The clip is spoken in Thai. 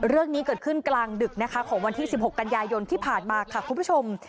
เรื่องนี้เกิดขึ้นกลางดึกนะคะของวันที่๑๖กันยายนที่ผ่านมาค่ะคุณผู้ชม